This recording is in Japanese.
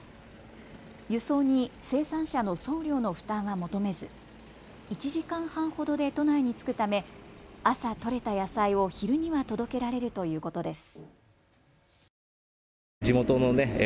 輸送に生産者の送料の負担は求めず１時間半ほどで都内に着くため朝取れた野菜を昼には届けられるということです。